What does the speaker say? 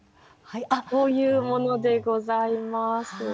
はいこういうものでございます。